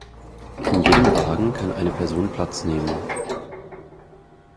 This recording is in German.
In jedem Wagen kann eine Person Platz nehmen.